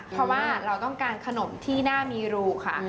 เพราะว่าเราต้องการขนมที่น่ามีรูค่ะ